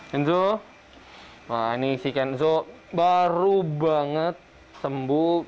kenzo wah ini si kenzo baru banget sembuh